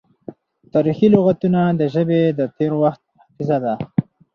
تاریخي لغتونه د ژبې د تیر وخت حافظه ده.